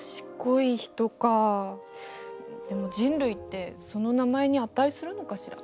でも人類ってその名前に値するのかしら？